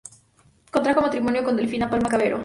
Contrajo matrimonio con "Delfina Palma Cavero".